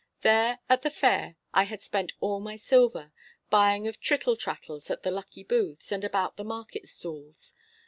There at the fair I had spent all my silver, buying of trittle trattles at the lucky booths and about the market stalls.